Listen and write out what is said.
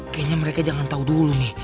kayanya mereka jangan tau dulu nih